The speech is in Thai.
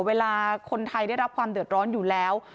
เวลาคนไทยได้รับความเดือดร้อนอยู่แล้ว